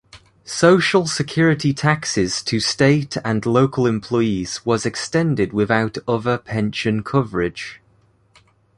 Social security taxes to state and local employees was extended without other pension coverage.